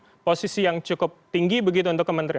ini kan posisi yang cukup tinggi begitu untuk kementerian